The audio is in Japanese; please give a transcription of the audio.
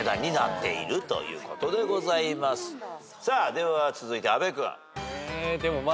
では続いて阿部君。